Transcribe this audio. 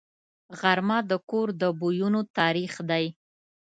غرمه د کور د بویونو تاریخ دی